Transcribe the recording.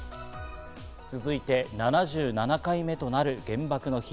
続いて７７回目となる原爆の日。